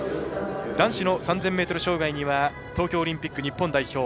男子の３０００ｍ障害には東京オリンピック日本代表